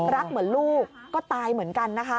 รักเหมือนลูกก็ตายเหมือนกันนะคะ